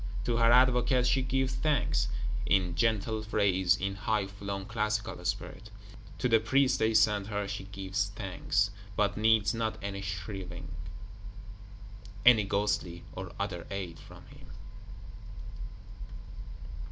To her Advocate she gives thanks; in gentle phrase, in high flown classical spirit. To the Priest they send her she gives thanks; but needs not any shriving, any ghostly or other aid from him.